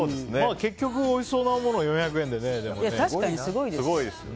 結局おいしそうなものを４００円でね。